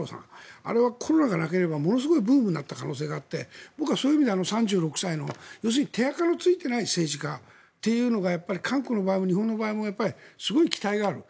あれはコロナがなければものすごいブームになった可能性があってだから僕はあの３６歳の要するに手あかのついていない政治家というのが韓国も日本もすごい期待がある。